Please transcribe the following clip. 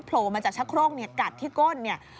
โผล่มาจากชะโคร่งกัดที่ก้น